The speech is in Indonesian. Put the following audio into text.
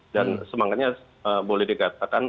dan semangatnya boleh dikatakan